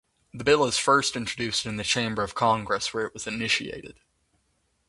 The bill is first introduced in the chamber of Congress where it was initiated.